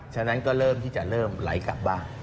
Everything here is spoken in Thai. ฉะนั้นก็เริ่มที่จะเริ่มไหลกลับบ้าน